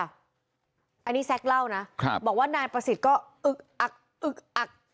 อันนี้แซ็กเล่านะครับบอกว่านายประสิทธิ์ก็อึกอักอึกอัก